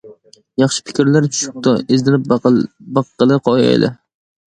ياخشى پىكىرلەر چۈشۈپتۇ، ئىزدىنىپ باققىلى قويايلى.